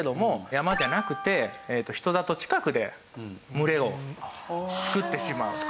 山じゃなくて人里近くで群れを作ってしまう。